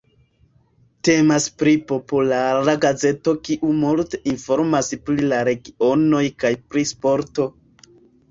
Temas pri populara gazeto kiu multe informas pri la regionoj kaj pri sporto.